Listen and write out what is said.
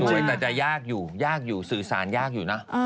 แต่จะยากอยู่ยากอยู่สื่อสารยากอยู่นะ